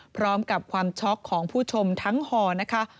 พร้อมกับความช็อกของผู้ชมทั้งห่อนะคะ